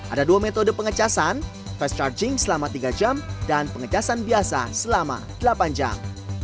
ada dua metode pengecasan fast charging selama tiga jam dan pengecasan biasa selama delapan jam